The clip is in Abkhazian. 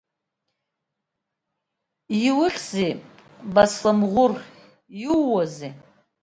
Иухьзеи, Басламӷәыр, иууазеи?